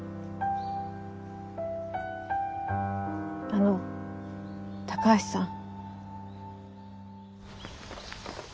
あの高橋さん。